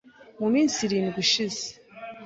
mu minsi irindwi ishize